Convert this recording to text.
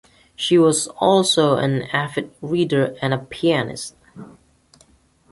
She was also an avid reader and a pianist.